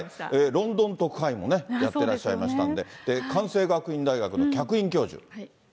ロンドン特派員もね、やってらっしゃいましたんで、関西学院大学の客員教授。